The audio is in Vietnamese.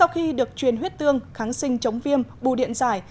khi được truyền huyết tương kháng sinh chống viêm bù điện giải